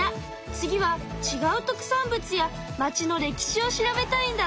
次はちがう特産物や町の歴史を調べたいんだって！